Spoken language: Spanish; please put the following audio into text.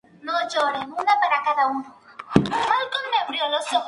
Su padre trabajaba como ejecutivo de una empresa.